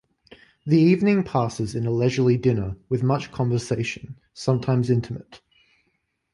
The evening passes in a leisurely dinner with much conversation, sometimes intimate.